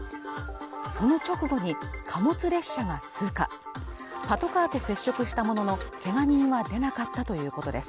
その直後に貨物列車が通過パトカーと接触したもののケガ人は出なかったということです